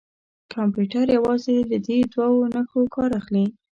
کمپیوټر یوازې له دې دوو نښو کار اخلي.